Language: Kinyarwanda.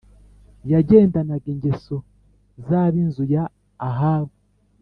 Yagendanaga ingeso z ab inzu ya ahabu